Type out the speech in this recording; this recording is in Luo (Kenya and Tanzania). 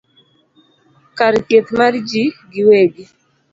kar thieth mar jii giwegi